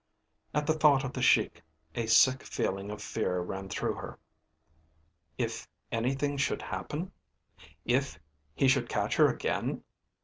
At the thought of the Sheik a sick feeling of fear ran through her. If anything should happen? If he should catch her again?